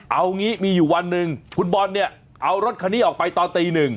เอางี้มีอยู่วันหนึ่งคุณบอลเนี่ยเอารถคันนี้ออกไปตอนตีหนึ่ง